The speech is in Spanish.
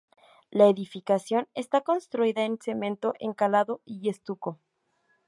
La edificación está construida en cemento encalado y estuco.